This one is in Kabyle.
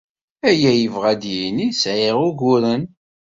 Aya yebɣa ad d-yini sɛiɣ uguren?